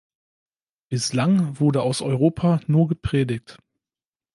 Bislang wurde aus Europa nur gepredigt.